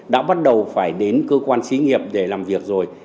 đã bắt đầu phải đến cơ quan xí nghiệp để làm việc rồi